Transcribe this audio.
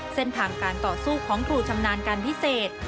เส้นทางการต่อสู้ของครูชำนาญการพิเศษ